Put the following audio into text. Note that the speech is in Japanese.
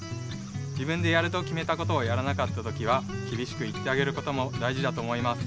自分でやるときめたことをやらなかった時はきびしく言ってあげることもだいじだと思います。